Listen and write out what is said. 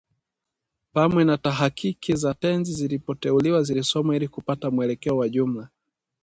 pamwe na tahakiki za tenzi zilizoteuliwa zilisomwa ili kupata mwelekeo wa jumla